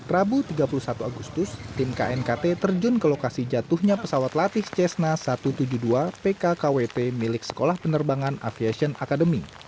rabu tiga puluh satu agustus tim knkt terjun ke lokasi jatuhnya pesawat latih cessna satu ratus tujuh puluh dua pkkwp milik sekolah penerbangan aviation academy